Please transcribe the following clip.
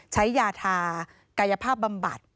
ใช้ยาทากายภาพบำบัด